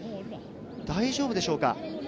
大丈夫でしょうか？